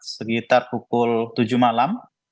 sekitar pukul tujuh malam